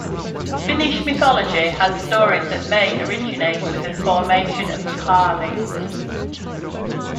Finnish mythology has stories that may originate with the formation of Kaali.